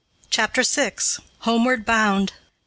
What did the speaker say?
CHAPTER VI. HOMEWARD BOUND.